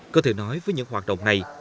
có thể nói với những hoạt động này